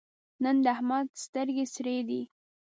نن د احمد سترګې سرې دي.